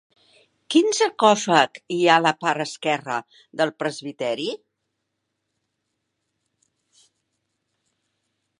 Quin sarcòfag hi ha a la part esquerra del presbiteri?